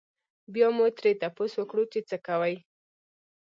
بيا مو ترې تپوس وکړو چې څۀ کوئ؟